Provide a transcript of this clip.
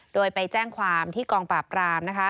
โดยไปแจ้งความที่กองปราบรามนะคะ